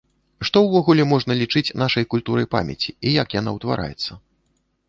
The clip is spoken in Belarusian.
Што ўвогуле можна лічыць нашай культурай памяці і як яна ўтвараецца?